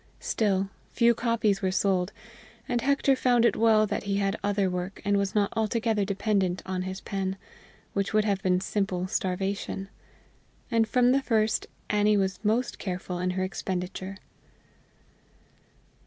Still, few copies were sold, and Hector found it well that he had other work and was not altogether dependent on his pen, which would have been simple starvation. And, from the first, Annie was most careful in her expenditure.